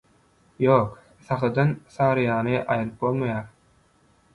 Ýok, Sahydan «Saryýany» aýryp bolmaýar